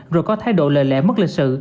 rồi có thái độ lệ lẽ mất lịch sự